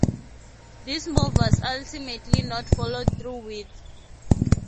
This move was ultimately not followed through with.